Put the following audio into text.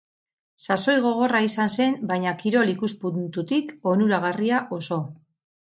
Sasoi gogorra izan zen baina kirol ikuspuntutik onuragarria oso.